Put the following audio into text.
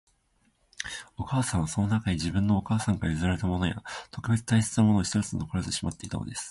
お母さんは、その中に、自分のお母さんから譲られたものや、特別大切なものを一つ残らずしまっていたのです